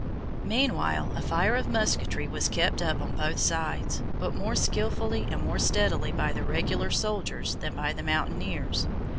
Meanwhile a fire of musketry was kept up on both sides, but more skilfully and more steadily by the regular soldiers than by the mountaineers.